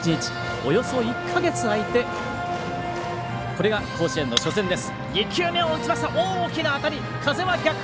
およそ１か月空いてこれが甲子園の初戦です。